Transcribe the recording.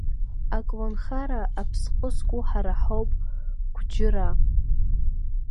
Аколнхара аԥсҟы зку ҳара ҳауп Гәџьыра.